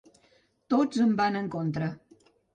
Tots em van en contra.